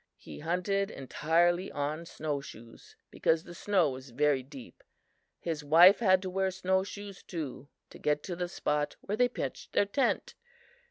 "He hunted entirely on snow shoes, because the snow was very deep. His wife had to wear snow shoes too, to get to the spot where they pitched their tent.